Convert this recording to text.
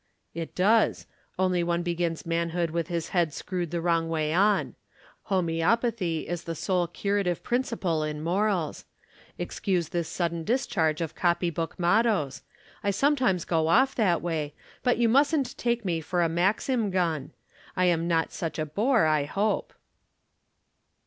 "It does. Only one begins manhood with his head screwed the wrong way on. Homoeopathy is the sole curative principle in morals. Excuse this sudden discharge of copy book mottoes. I sometimes go off that way, but you mustn't take me for a Maxim gun. I am not such a bore, I hope."